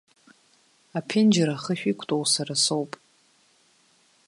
Аԥенџьыр ахышә иқәтәоу сара соуп.